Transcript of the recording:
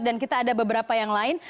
dan kita ada beberapa yang lain